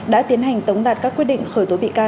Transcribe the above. đã tiến hành tống đạt các quyết định khởi tố bị can